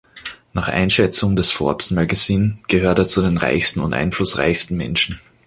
Nach Einschätzung des "Forbes Magazine" gehört er zu den reichsten und einflussreichsten Menschen.